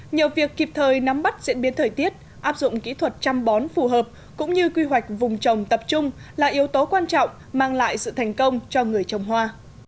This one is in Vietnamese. nhờ việc kịp thời nắm bắt diễn biến thời tiết áp dụng kỹ thuật chăm bón phù hợp cũng như quy hoạch vùng trồng tập trung là yếu tố quan trọng mang lại sự thành công cho người trồng hoa